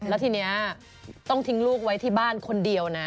แล้วทีนี้ต้องทิ้งลูกไว้ที่บ้านคนเดียวนะ